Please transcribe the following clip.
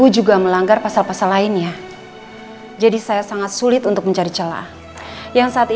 jangan lupa like share dan subscribe ya